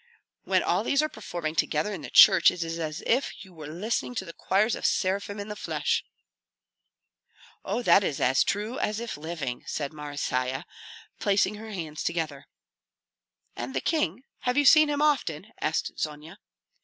When all these are performing together in the church, it is as if you were listening to choirs of seraphim in the flesh." "Oh, that is as true as if living!" said Marysia, placing her hands together. "And the king, have you seen him often?" asked Zonia.